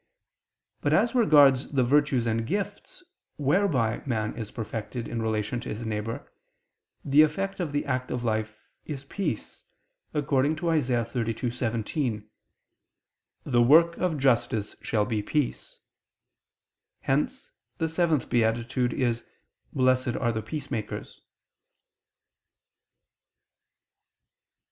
But as regards the virtues and gifts whereby man is perfected in relation to his neighbor, the effect of the active life is peace, according to Isa. 32:17: "The work of justice shall be peace": hence the seventh beatitude is "Blessed are the peacemakers."